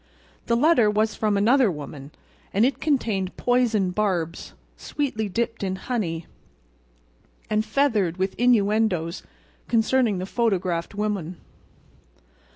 The letter was from another woman; and it contained poisoned barbs, sweetly dipped in honey, and feathered with innuendoes concerning the photographed woman.